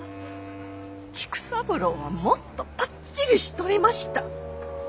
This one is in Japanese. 菊三郎はもっとパッチリしとりました。